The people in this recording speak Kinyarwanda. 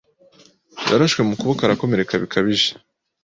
Yarashwe mu kuboko arakomereka bikabije. )